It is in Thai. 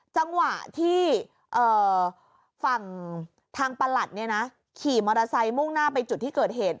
จังหวะที่ฐานประหลักขี่มอเตอร์ไซต์รถบลงมุ่งหน้าไปจุดที่เกิดเหตุ